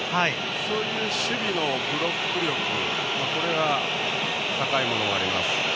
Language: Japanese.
そういう守備のブロック力高いものがあります。